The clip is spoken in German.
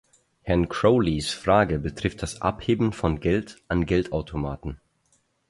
Herrn Crowleys Frage betrifft das Abheben von Geld an Geldautomaten.